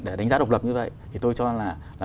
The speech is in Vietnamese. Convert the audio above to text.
để đánh giá độc lập như vậy thì tôi cho là